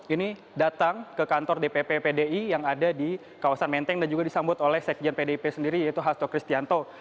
ini datang ke kantor dpp pdi yang ada di kawasan menteng dan juga disambut oleh sekjen pdip sendiri yaitu hasto kristianto